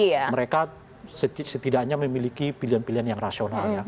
ketiga mereka setidaknya memiliki pilihan pilihan yang rasional ya